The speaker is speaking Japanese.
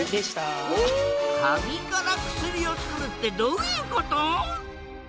カビから薬をつくるってどういうこと？